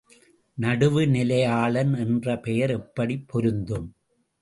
நடுவுநிலையாளன் என்ற பெயர் எப்படிப் பொருந்தும்?